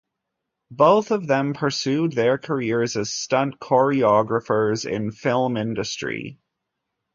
Both of them pursued their careers as stunt choreographers in film industry.